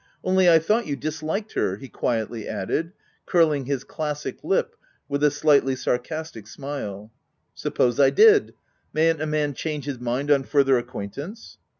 "Only, I thought you disliked her," he quietly added, curling his classic lip with a slightly sarcastic smile. " Suppose I did; mayn't a man change his mind on further acquaintance